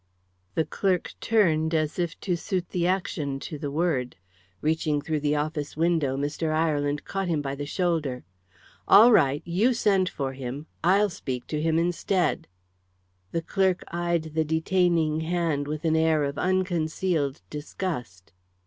The clerk turned as if to suit the action to the word. Reaching through the office window, Mr. Ireland caught him by the shoulder. "All right. You send for him. I'll speak to him instead." The clerk eyed the detaining hand with an air of unconcealed disgust.